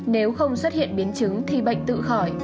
nếu không xuất hiện biến chứng thì bệnh tự khỏi